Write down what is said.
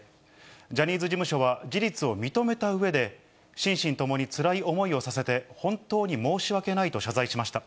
ジャニーズ事務所は事実を認めたうえで、心身ともにつらい思いをさせて本当に申し訳ないと謝罪しました。